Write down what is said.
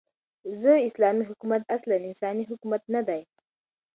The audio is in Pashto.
ز : اسلامې حكومت اصلاً انساني حكومت نه دى